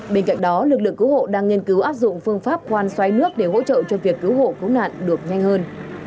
bên cạnh đó lực lượng cứu hộ đang nghiên cứu áp dụng phương pháp khoan xoái nước để hỗ trợ cho việc cứu hộ cứu nạn được nhanh hơn